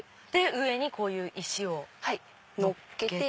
上にこういう石を乗っけて。